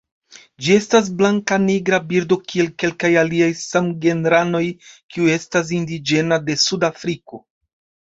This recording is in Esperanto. Ĝi estas blankanigra birdo kiel kelkaj aliaj samgenranoj kiu estas indiĝena de Suda Afriko.